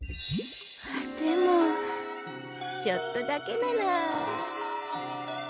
でもちょっとだけなら。